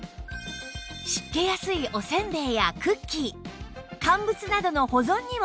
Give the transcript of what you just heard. しっけやすいおせんべいやクッキー乾物などの保存にも便利